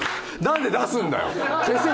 なんで出すんだよ。